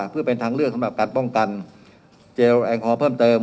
เพื่อเป็นทางเลือกสำหรับการป้องกันเจลแอลกอฮอลเพิ่มเติม